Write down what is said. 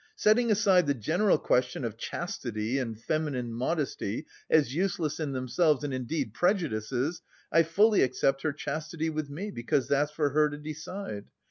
Setting aside the general question of chastity and feminine modesty as useless in themselves and indeed prejudices, I fully accept her chastity with me, because that's for her to decide.